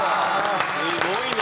すごいね！